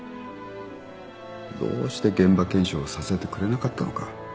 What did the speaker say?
どうして現場検証をさせてくれなかったのか。